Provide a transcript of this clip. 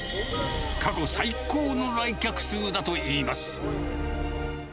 過去最高の来客数だといいます。